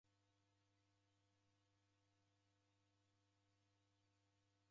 W'azoghori w'engi w'eko sokonyi.